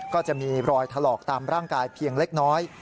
ก็จะมีรอยถลอกตามร่างกายเพียงเล็กน้อย